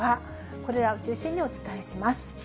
これらを中心にお伝えします。